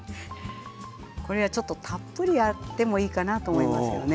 これは、ちょっとたっぷりやってもいいかなと思いますよね。